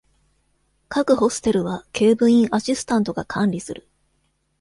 各ホステルは警部員アシスタントが管理する。